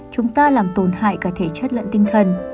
chúng ta làm tổn hại cả thể chất lẫn tinh thần